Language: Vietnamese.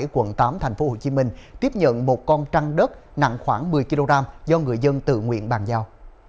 quận tám tp hcm tiếp nhận một con trăng đất nặng khoảng một mươi kg do người dân tự nguyện bàn giao